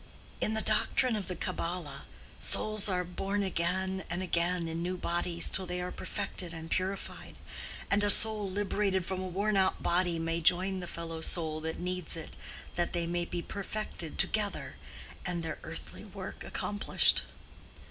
"In the doctrine of the Cabbala, souls are born again and again in new bodies till they are perfected and purified, and a soul liberated from a worn out body may join the fellow soul that needs it, that they may be perfected together, and their earthly work accomplished.